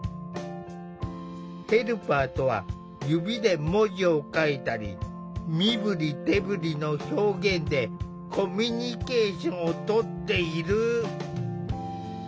ヘルパーとは指で文字を書いたり身振り手振りの表現でコミュニケーションをとっている。